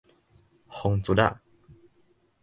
風捽仔